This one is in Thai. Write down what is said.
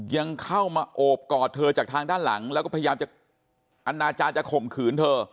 ยังเข้ามาโอบกอดเธอจากทางด้านหลังแล้วก็พยายามจะอนาจารย์จะข่มขืนเธอ